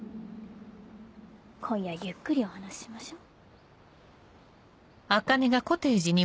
今夜ゆっくりお話ししましょ。